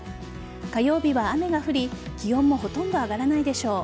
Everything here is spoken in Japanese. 火曜日は雨が降り気温もほとんど上がらないでしょう。